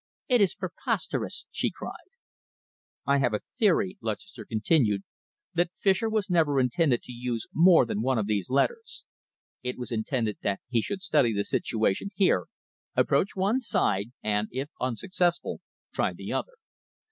"It is preposterous!" she cried. "I have a theory," Lutchester continued, "that Fischer was never intended to use more than one of these letters. It was intended that he should study the situation here, approach one side, and, if unsuccessful, try the other.